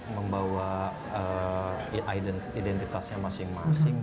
membawa identitasnya masing masing